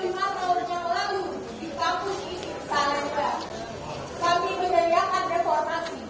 dua puluh lima tahun yang lalu di kampus ini salamika kami meneriakan reformasi